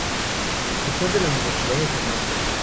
Rector de la Universidad de San Marcos.